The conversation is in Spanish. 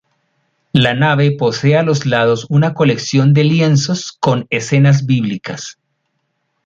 La nave posee a los lados una colección de lienzos con escenas bíblicas.